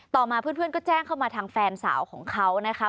มาเพื่อนก็แจ้งเข้ามาทางแฟนสาวของเขานะคะ